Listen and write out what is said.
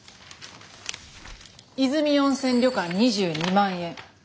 いずみ温泉旅館２２万円。